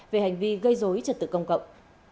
về hành vi gây dối trật tự công cộng